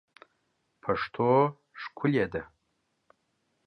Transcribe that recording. پښتو ښکلې ده